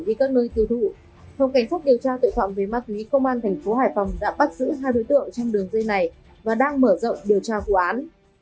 được các đối tượng sử dụng dịch vụ vận chuyển